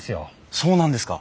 そうなんですか？